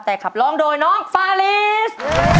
แต่ขับร้องโดยน้องฟาลิส